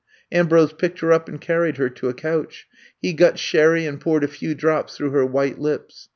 Am brose picked her up and carried her to a couch. He got sherry and poured a few drops through her white lips.